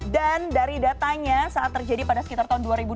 dan dari datanya saat terjadi pada sekitar tahun dua ribu dua belas